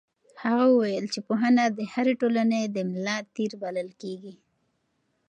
هغه وویل چې پوهنه د هرې ټولنې د ملا تیر بلل کېږي.